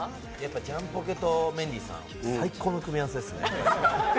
ジャンポケとメンディーさん、最高の組み合わせですね。